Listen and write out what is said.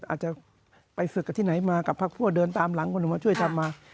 อาจจะไปฝึกกับที่ไหนมากับพักพวกเดินตามหลังคนอื่นมาช่วยทำมา